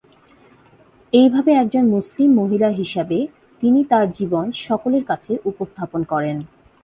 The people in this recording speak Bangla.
এইভাবে একজন মুসলিম মহিলা হিসাবে তিনি তার জীবন সকলের কাছে উপস্থাপন করেন।